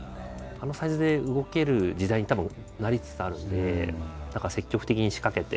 あのサイズで動ける時代にたぶんなりつつあるんで積極的に仕掛けて。